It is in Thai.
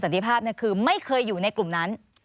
ที่เคยอยู่ในกลุ่มนั้น